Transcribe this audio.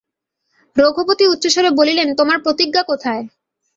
রঘুপতি উচ্চস্বরে বলিলেন, তোমার প্রতিজ্ঞা কোথায়?